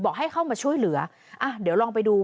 ให้เข้ามาช่วยเหลืออ่ะเดี๋ยวลองไปดู